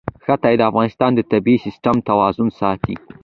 ښتې د افغانستان د طبعي سیسټم توازن ساتي.